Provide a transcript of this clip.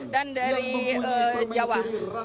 dan dari jawa